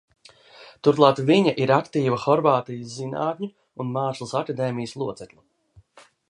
Turklāt viņa ir aktīva Horvātijas Zinātņu un mākslas akadēmijas locekle.